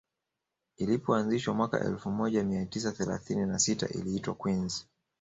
Ilipoanzishwa mwaka elfu moja mia tisa thelathini na sita iliitwa Queens